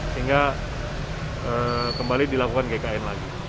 sehingga kembali dilakukan gkn lagi